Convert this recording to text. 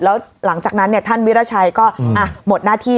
แล้วหลังจากนั้นท่านวิราชัยก็หมดหน้าที่